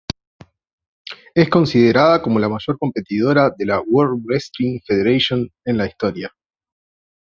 Es considerada como la mayor competidora de la World Wrestling Federation en la historia.